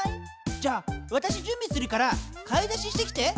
じゃあわたしじゅんびするから買い出ししてきて！